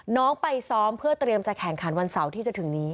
น้องไปซ้อมเพื่อเตรียมจะแข่งขันวันเสาร์ที่จะถึงนี้